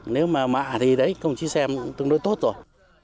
nếu mà mạ thì đấy công chí xem cũng tương đối tốt rồi